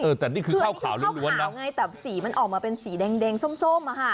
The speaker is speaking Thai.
เออแต่นี่คือข้าวขาวเรียบร้อยนะคือนี่คือข้าวขาวไงแต่สีมันออกมาเป็นสีแดงแดงส้มส้มอ่ะฮะ